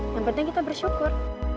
yang penting kita bersyukur